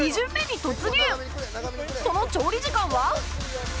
その調理時間は？